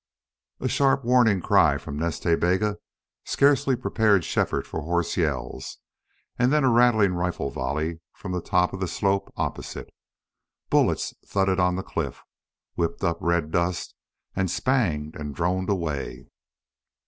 A sharp warning cry from Nas Ta Bega scarcely prepared Shefford for hoarse yells, and then a rattling rifle volley from the top of the slope opposite. Bullets thudded on the cliff, whipped up red dust, and spanged and droned away.